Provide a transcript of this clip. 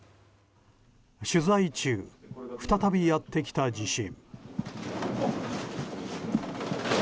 取材中、再びやってきた地震。